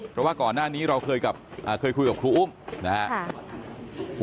เพราะว่าก่อนหน้านี้เราเคยคุยกับครูอุ้มนะครับ